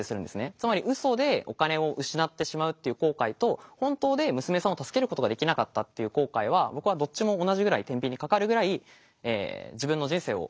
つまりウソでお金を失ってしまうという後悔と本当で娘さんを助けることができなかったという後悔は僕はどっちも同じぐらいてんびんにかかるぐらい自分の人生を決めるもの